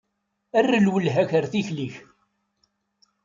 Err lwelha-k ar tikli-k.